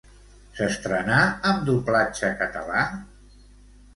S'estrenà amb doblatge català?